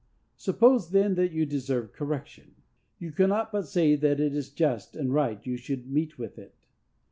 Suppose, then, that you deserve correction; you cannot but say that it is just and right you should meet with it.